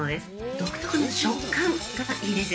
独特の食感がいいです。